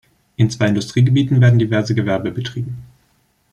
In zwei Industriegebieten werden diverse Gewerbe betrieben.